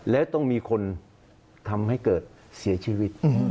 และต้องมีคนทำให้เกิดเสียชีวิต